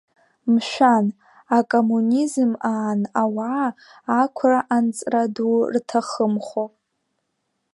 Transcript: Мшәан, акоммунизм аан ауаа ақәра анҵра ду рҭахымхо!